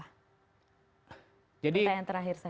pertanyaan terakhir saya